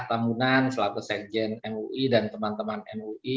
tamunan selaku sekjen mui dan teman teman mui